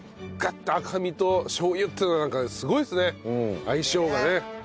ガッと赤身としょう油っていうのはなんかすごいですね相性がね。